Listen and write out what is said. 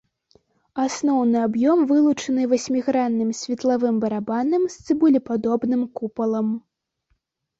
Асноўны аб'ём вылучаны васьмігранным светлавым барабанам з цыбулепадобным купалам.